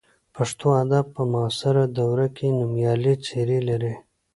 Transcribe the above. پښتو ادب په معاصره دوره کې نومیالۍ څېرې لري.